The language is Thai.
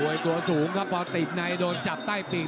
วยตัวสูงครับพอติดในโดนจับใต้ปีก